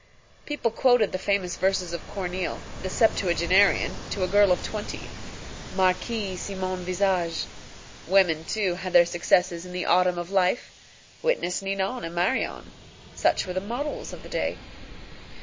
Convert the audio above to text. People quoted the famous verses of Corneille, the septuagenarian, to a girl of twenty "Marquise, si mon visage." Women, too, had their successes in the autumn of life. Witness Ninon and Marion. Such were the models of the day.